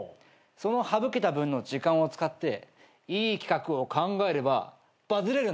その省けた分の時間を使っていい企画を考えればバズれるんだよ。